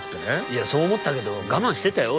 いやそう思ったけど我慢してたよ